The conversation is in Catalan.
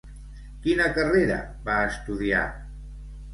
Quina carrera va estudiar?